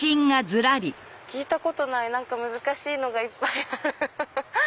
聞いたことない難しいのがいっぱいある。